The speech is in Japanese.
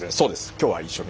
今日は一緒に。